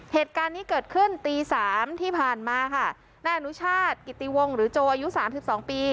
เหตุการณ์นี้เกิดขึ้นตีสามที่ผ่านมาค่ะนายอนุชาติกิติวงหรือโจอายุสามสิบสองปี